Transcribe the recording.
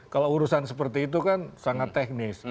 kalau urusan seperti itu kan sangat teknis